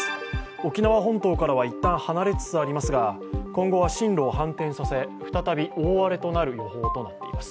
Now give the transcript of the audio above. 沖縄本島からは一旦離れつつありますが今後は進路を反転させ、再び大荒れとなる予報となっています。